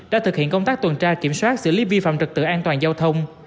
đã thực hiện công tác tuần tra kiểm soát xử lý vi phạm trật tự an toàn giao thông